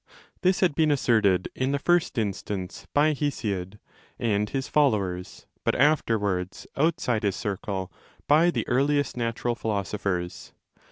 This had been asserted in the first instance by Hesiod and his followers, but afterwards outside his circle by the earliest natural philosophers.!.